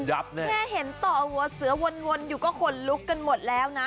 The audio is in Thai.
แม่เห็นต่อหัวเสือวนอยู่ก็ขนลุกกันหมดแล้วนะ